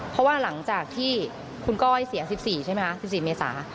เพราะว่าหลังจากที่คุณก้อยเสีย๑๔เมษา